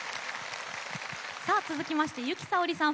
さあ続きまして由紀さおりさん